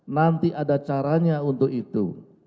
nanti ada caranya untuk itu